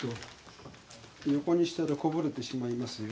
横にしたらこぼれてしまいますよ。